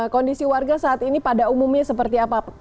kondisi warga saat ini pada umumnya seperti apa